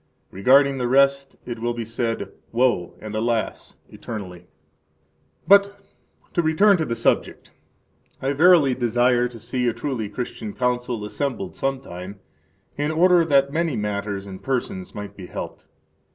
Regarding the rest it will be said, Woe, and, alas! eternally. 10 But to return to the subject. I verily desire to see a truly Christian Council [assembled some time], in order that many matters and persons might be helped.